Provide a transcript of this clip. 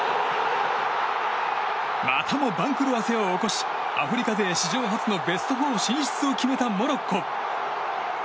またも番狂わせを起こしアフリカ勢史上初のベスト４進出を決めたモロッコ。